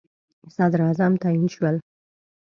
صدراعظم تعیین شول.